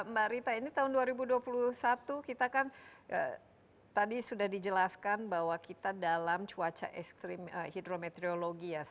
mbak rita ini tahun dua ribu dua puluh satu kita kan tadi sudah dijelaskan bahwa kita dalam cuaca ekstrim hidrometeorologi ya